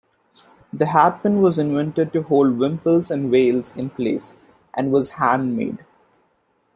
The hatpin was invented to hold wimples and veils in place, and was handmade.